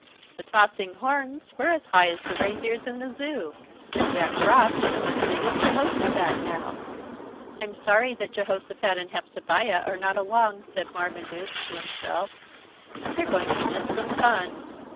The tossing horns were as high as the reindeer's in the Zoo, and Jack Frost was as big as Jehosophat now. "I'm sorry that Jehosophat and Hepzebiah are not along," said Marmaduke to himself, "they're going to miss some fun."